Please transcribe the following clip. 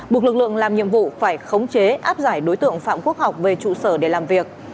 buộc lực lượng làm nhiệm vụ phải khống chế áp giải đối tượng phạm quốc học về trụ sở để làm việc